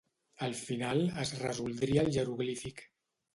Al final, es resoldria el jeroglífic.